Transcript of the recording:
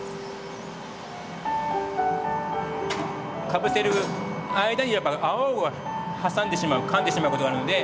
かぶせる間にやっぱ泡を挟んでしまうかんでしまうことがあるので。